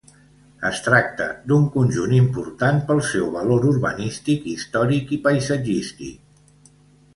Es tracta d'un conjunt important pel seu valor urbanístic, històric i paisatgístic.